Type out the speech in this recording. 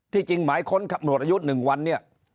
ที่จริงหมายค้นหมดอายุ๑วัน